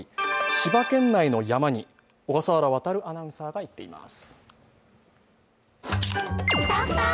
千葉県内の山に小笠原亘アナウンサーが入っています。